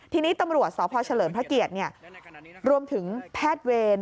ทีนี้ตำรวจสพเฉลิมพระเกียรติรวมถึงแพทย์เวร